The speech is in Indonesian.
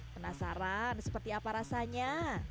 penasaran seperti apa rasanya